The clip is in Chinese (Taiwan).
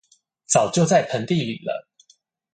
早就在盆地裡了